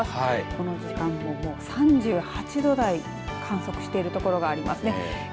この時間も３８度台観測しているところがありますね。